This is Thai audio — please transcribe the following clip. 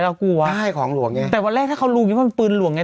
เรากลัวได้ของหลวงไงแต่วันแรกถ้าเขารู้มีว่ามันปืนหลวงไง